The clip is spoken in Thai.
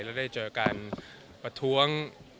แล้วได้เจอการประท้วง